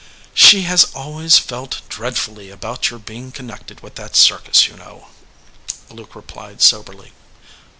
"She has always felt dreadfully about your be ing connected with that circus, you know," Luke replied, soberly.